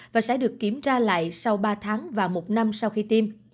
và sẽ được kiểm tra lại sau ba tháng và một năm sau khi tiêm